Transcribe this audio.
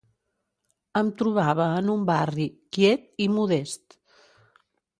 Em trobava en un barri quiet i modest